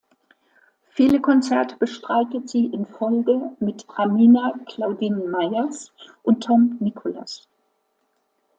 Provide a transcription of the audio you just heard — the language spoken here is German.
Viele Konzerte bestreitet sie in Folge mit Amina Claudine Myers und Tom Nicholas.